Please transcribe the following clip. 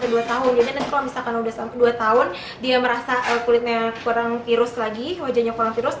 jadi nanti kalau misalkan udah sampai dua tahun dia merasa kulitnya kurang tirus lagi wajahnya kurang tirus